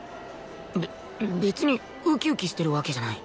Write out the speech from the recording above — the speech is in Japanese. べ別にウキウキしてるわけじゃない